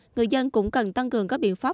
người dân cũng cần tăng cường các biện pháp